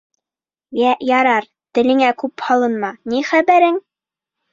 — Йә, ярар. телеңә күп һалынма, ни хәбәрең?